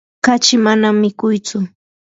kachi manam mikuytsu.